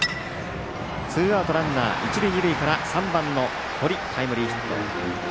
ツーアウト、ランナー一塁二塁から３番の堀タイムリーヒット。